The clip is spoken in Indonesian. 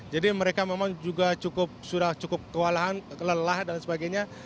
jadi mereka memang juga sudah cukup kelelahan dan sebagainya